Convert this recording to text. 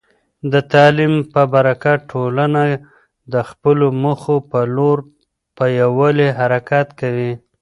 د تعلیم په برکت، ټولنه د خپلو موخو په لور په یووالي حرکت کوي.